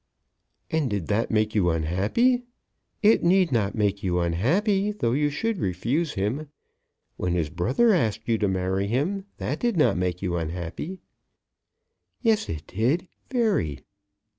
"And did that make you unhappy? It need not make you unhappy, though you should refuse him. When his brother asked you to marry him, that did not make you unhappy." "Yes it did; very."